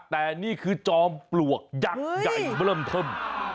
แต่นี่คือจอมปลวกยักษ์ใหญ่เบิร์มท่ม